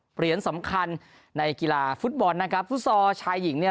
เหรียญสำคัญในกีฬาฟุตบอลนะครับฟุตซอลชายหญิงเนี่ย